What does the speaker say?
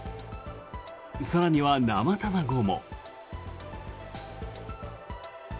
更には生卵も。